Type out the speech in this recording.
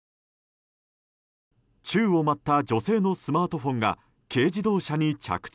宙を舞った女性のスマートフォンが軽自動車に着地。